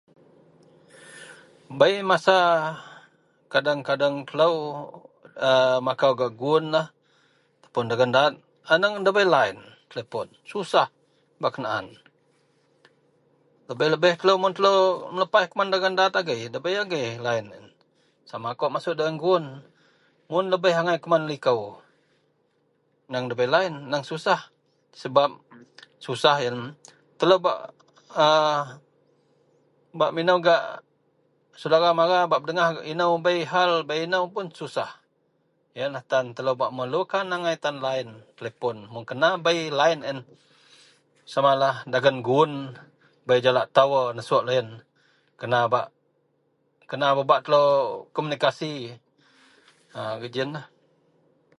Bei masa kadeng-kadeng telou a makau gak guwunlah ataupun dagen daat aneng ndabei laen telipon, susah bak kenaan. Lebeh-lebeh telou mun telou lepaih kuman dagen daat agei, ndabei agei laen yen. Sama kawak masuok dagen guwun. Mun lebeh angai kuman likou aneng ndabei laen, neng susah sebab susah yen telou bak a bak minou gak sedara mara bak pedengah inou bei gal bak inou pun susah. Yenlah tan telou bak memerlukan angai tan laen telipon. Mun kena bei laen a yen samalah dagen guwun bei jalak tawa nesuok loyen kena bak, kena bak telou komunikasi. A gejiyenlah.